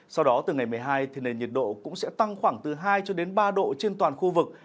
sau đó từ ngày một mươi hai nền nhiệt độ cũng sẽ tăng khoảng từ hai ba độ trên toàn khu vực